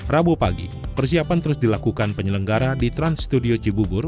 rabu pagi persiapan terus dilakukan penyelenggara di trans studio cibubur